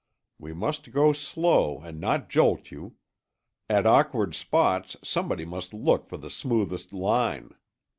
We must go slow and not jolt you; at awkward spots somebody must look for the smoothest line.